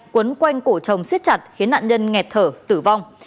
quấn quanh cổ chồng siết chặt khiến nạn nhân nghẹt thở tử vong